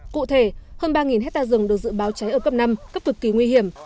cụ thể hơn ba hectare rừng được dự báo cháy ở cấp năm cấp cực kỳ nguy hiểm